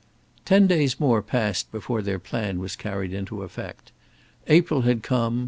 Ten days more passed before their plan was carried into effect. April had come.